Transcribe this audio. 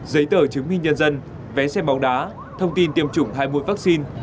giấy tờ chứng minh nhân dân vé xe bóng đá thông tin tiêm chủng hai mũi vaccine